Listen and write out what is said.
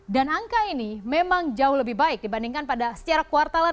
angka ini memang jauh lebih baik dibandingkan pada secara kuartalan